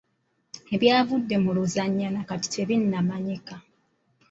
Ebyavudde mu luzannya na kati tebinnamanyika.